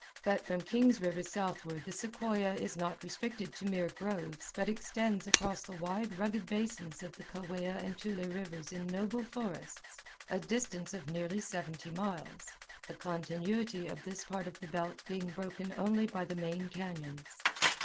But from Kings River south ward the sequoia is not restricted to mere groves but extends across the wide rugged basins of the Kaweah and Tule Rivers in noble forests, a distance of nearly seventy miles, the continuity of this part of the belt being broken only by the main cañons.